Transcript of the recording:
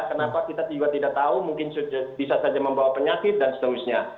karena kalau kita juga tidak tahu mungkin bisa saja membawa penyakit dan seterusnya